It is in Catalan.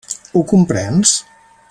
Ho comprens?